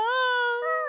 うん。